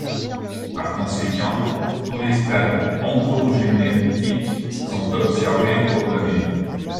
Par conséquent, tous les stades ontogénétiques sont observés au cours de l’année.